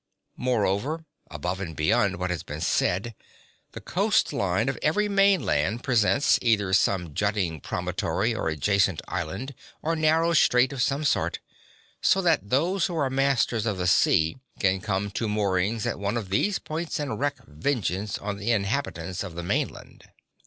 Moreover, above and beyond what has been said, the coast line of every mainland presents, either some jutting promontory, or adjacent island, or narrow strait of some sort, so that those who are masters of the sea can come to moorings at one of these points and wreak vengeance (15) on the inhabitants of the mainland.